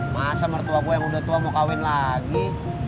masa mertua gue yang udah tua mau kawin lagi